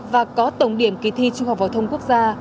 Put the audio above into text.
và có tổng điểm kỳ thi trung học phổ thông quốc gia